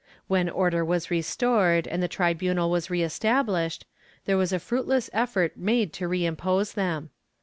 When order was restored and the tribunal was re established, there was a fruitless effort made to reimpose them.